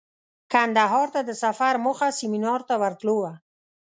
کندهار ته د سفر موخه سمینار ته ورتلو وه.